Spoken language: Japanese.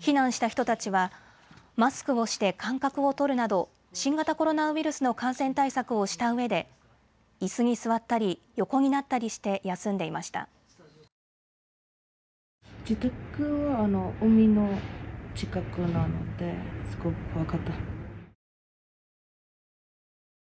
避難した人たちはマスクをして間隔を取るなど新型コロナウイルスの感染対策をしたうえでいすに座ったり横になったりして休んでいました。